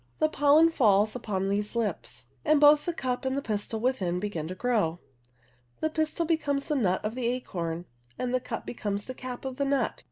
3), the pol len falls upon the lips, and both the cup and pistil within begin to grow. The pistil becomes the nut of the acorn and the cup becomes the cap of the nut (Fig.